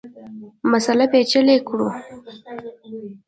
مسأله پېچلې کړو.